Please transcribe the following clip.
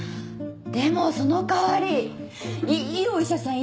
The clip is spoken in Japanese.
でもその代わりいいお医者さん